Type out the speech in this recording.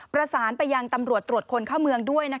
ประสานไปยังตำรวจตรวจคนเข้าเมืองด้วย